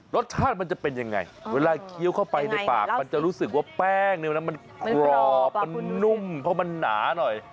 รสชาติมันจะเป็นยังไงเวลาเคี้ยวเข้าไปในปากมันจะรู้สึกว่าแป้งเนี่ยนะมันกรอบมันนุ่มเพราะมันหนาหน่อย